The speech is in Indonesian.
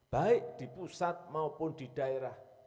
baik di pusat maupun di daerah